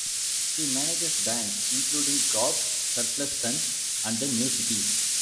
He manages bands including Gob, Surplus Sons, and The New Cities.